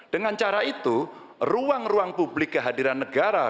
dengan cara itu ruang ruang publik kehadiran negara